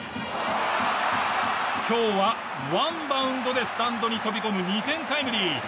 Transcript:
今日はワンバウンドでスタンドに飛び込む２点タイムリー。